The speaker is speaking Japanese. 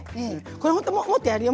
これもっとやるよ。